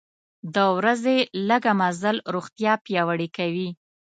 د ورځې لږه مزل روغتیا پیاوړې کوي.